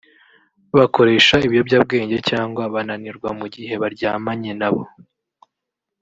bakoresha ibiyobyabwenge cyangwa bananirwa mu gihe baryamanye na bo